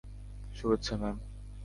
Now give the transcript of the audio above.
শুভেচ্ছা, ম্যাম।